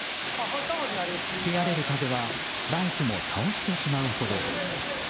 吹き荒れる風はバイクも倒してしまうほど。